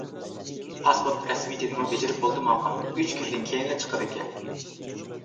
پاسپورت رەسمىيىتىنىمۇ بېجىرىپ بولدۇم ئاپا، ئۈچ كۈندىن كېيىنلا چىقىدىكەن.